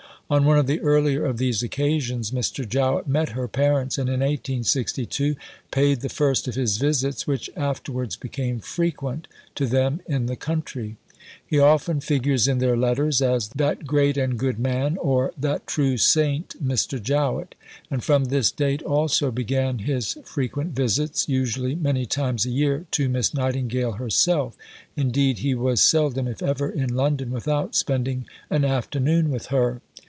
On one of the earlier of these occasions, Mr. Jowett met her parents, and in 1862 paid the first of his visits, which afterwards became frequent, to them in the country. He often figures in their letters as "that great and good man," or "that true saint, Mr. Jowett." And from this date also began his frequent visits usually many times a year to Miss Nightingale herself; indeed he was seldom, if ever, in London without spending an afternoon with her.